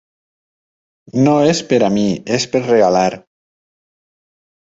No és per a mi, és per regalar.